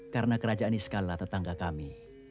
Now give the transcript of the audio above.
karena kerajaan iskalla tetangga kami